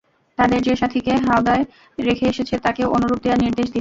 তাদের যে সাথীকে হাওদায় রেখে এসেছে তাকেও অনুরূপ দেয়ার নির্দেশ দিলেন।